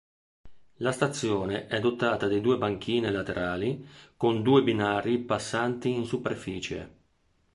La stazione è dotata di due banchine laterali con due binari passanti in superficie.